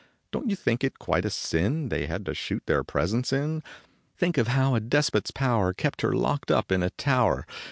Don t you think it quite a sin They had to shoot their presents in ? Think of how a despot s power Kept her locked up in a tow T er.